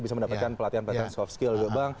bisa mendapatkan pelatihan pelatihan soft skill bank